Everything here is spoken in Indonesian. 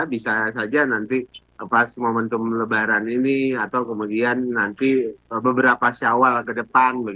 bisa saja nanti pas momentum lebaran ini atau kemudian nanti beberapa syawal ke depan